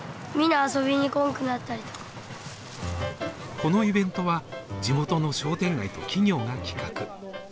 このイベントは、地元の商店街と企業が企画。